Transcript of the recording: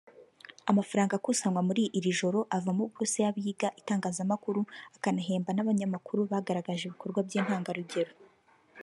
Amafaranga akusanywa muri iri joro avamo buruse y’abiga itangazamakuru akanahemba n’abanyamakuru bagaragaje ibikorwa by’intangarugero